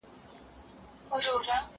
زه اوس سبزیجات پاختم!.